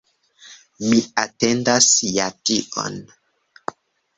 Mi atendas ja tion.